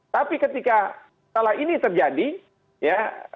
tapi ketika salah ini terjadi ya